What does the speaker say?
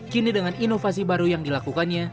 kini dengan inovasi baru yang dilakukannya